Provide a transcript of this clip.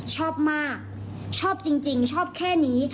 ชอบมากชอบจริงชอบแค่นี้